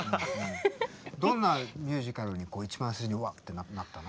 どんなミュージカルに一番最初に「うわっ」てなったの？